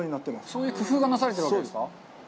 そういう工夫がなされているわけですか。